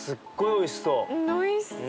おいしそう！